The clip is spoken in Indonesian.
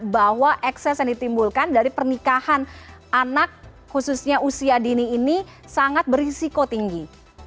bahwa ekses yang ditimbulkan dari pernikahan anak khususnya usia dini ini sangat berisiko tinggi